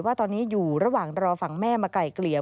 ว่าตอนนี้อยู่ระหว่างรอฝั่งแม่มาไกลเกลี่ย